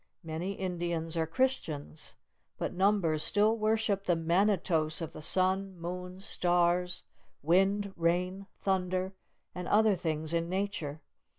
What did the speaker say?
Many Indians are Christians, but numbers still worship the Manitos of the sun, moon, stars, wind, rain, thunder, and other things in Nature.